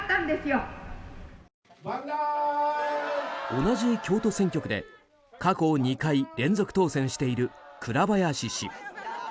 同じ京都選挙区で過去２回連続当選している倉林氏。